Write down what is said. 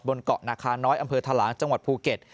บนเกาะนาคาน้อยอำเภอทะลางจังหวัดภูเก็ต